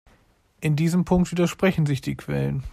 In diesem Punkt widersprechen sich die Quellen.